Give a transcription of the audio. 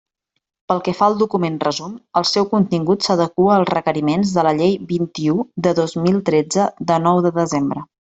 Pel que fa al document resum, el seu contingut s'adequa als requeriments de la Llei vint-i-u de dos mil tretze, de nou de desembre.